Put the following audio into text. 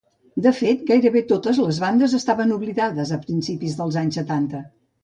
De fet, gairebé totes les bandes estaven oblidades a principis dels anys setanta.